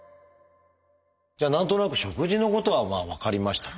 じゃあ何となく食事のことは分かりましたと。